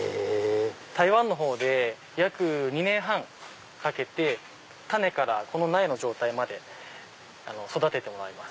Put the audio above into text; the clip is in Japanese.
台湾のほうで約２年半かけて種からこの苗の状態まで育ててもらいます。